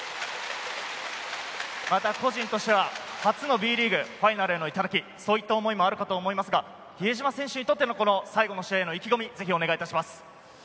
個人としては初Ｂリーグファイナルへの頂、そういった思いもあるかと思いますが、比江島選手にとっての最後の戦い、意気込みをお願いします。